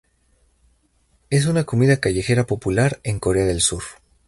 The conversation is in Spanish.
Es una comida callejera popular en Corea del Sur.